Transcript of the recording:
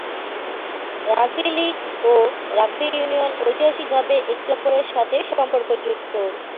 Rugby league ও rugby union ঐতিহাসিকভাবে একে-অপরের সাথে সম্পর্কযুক্ত।